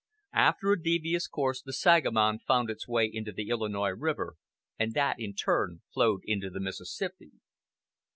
After a devious course the Sangamon found its way into the Illinois River, and that in turn flowed into the Mississippi.